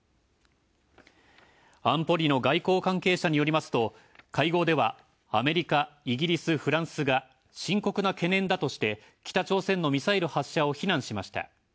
安保理の外交関係者によりますと会合ではアメリカ、イギリス、フランスが「深刻な懸念」だとして北朝鮮のミサイル発射を非難しました。